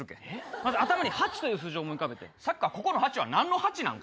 まず頭に８という数字を思い浮かさっきからここの８はなんの８なん？